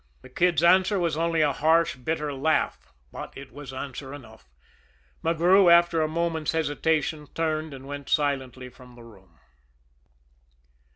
The Kid's answer was only a harsh, bitter laugh but it was answer enough. McGrew, after a moment's hesitation, turned and went silently from the room.